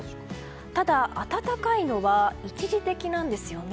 ただ、暖かいのは一時的なんですよね。